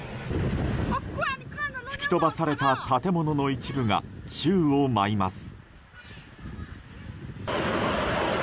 吹き飛ばされた建物の一部が宙を舞います。